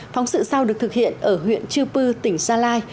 phóng sự sau được thực hiện ở huyện chư pư tỉnh gia lai